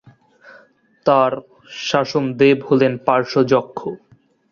তার 'শাসন দেব' হলেন পার্শ্বযক্ষ।